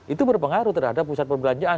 itu berpengaruh terhadap pusat perbelanjaan